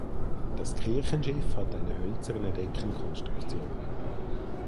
Das Kirchenschiff hat eine hölzerne Deckenkonstruktion.